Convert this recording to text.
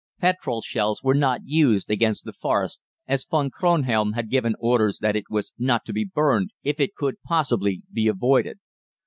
Petrol shells were not used against the Forest, as Von Kronhelm had given orders that it was not to be burned if it could possibly be avoided.